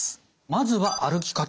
まずは歩き方。